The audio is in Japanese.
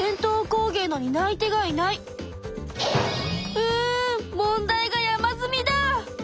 うん問題が山積みだ！